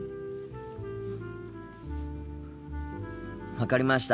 分かりました。